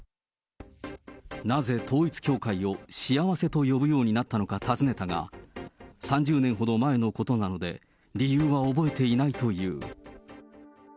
なぜ、統一教会を幸せと呼ぶようになったのか尋ねたが、３０年ほど前のことなので、理由は覚えていないという。